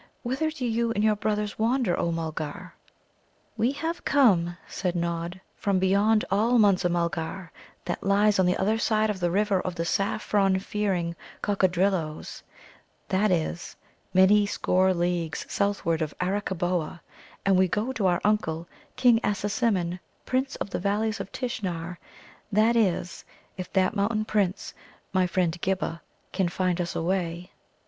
Whither do you and your brothers wander, O Mulgar?" "We have come," said Nod, "from beyond all Munza mulgar, that lies on the other side of the river of the saffron fearing Coccadrilloes that is, many score leagues southward of Arakkaboa and we go to our Uncle, King Assasimmon, Prince of the Valleys of Tishnar that is, if that Mountain prince, my friend Ghibba, can find us a way."